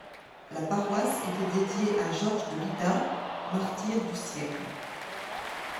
La paroisse était dédiée à Georges de Lydda, martyr du siècle.